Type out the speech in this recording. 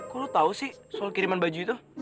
kok lo tau sih soal kiriman baju itu